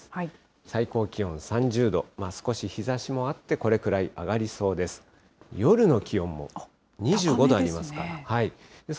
最高気温３０度、少し日ざしもあって、これくらい上がりそうです。